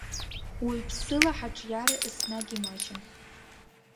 Уаҩԥсыла ҳаҿиара еснагь имаҷын.